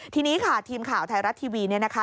ทีนี้ค่ะทีมข่าวไทยรัฐทีวีเนี่ยนะคะ